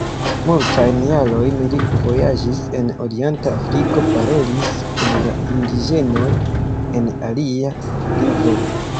Multajn jarojn li vojaĝis en orienta Afriko, parolis kun la indiĝenoj en ilia lingvo.